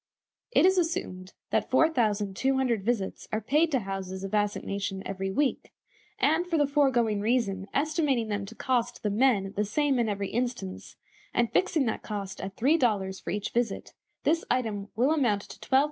It is assumed that 4200 visits are paid to houses of assignation every week, and for the foregoing reason estimating them to cost the men the same in every instance, and fixing that cost at three dollars for each visit, this item will amount to $12,600 per week, or $655,200 per year.